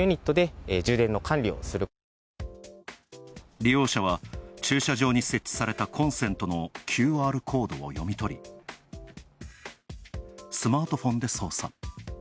利用者は駐車場に設置されたコンセントのＱＲコードを読み取り、スマートフォンで操作。